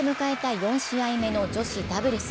４試合目の女子ダブルス。